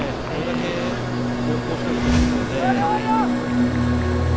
これだけ猛攻を仕掛けていますからね。